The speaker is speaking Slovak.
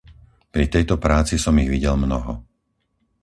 Pri tejto práci som ich videl mnoho.